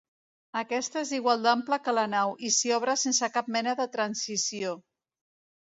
Aquest és igual d'ample que la nau, i s'hi obre sense cap mena de transició.